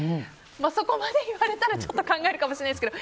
そこまで言われたらちょっと考えるかもしれないですけど。